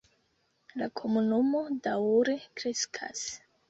La komunumo daŭre kreskas.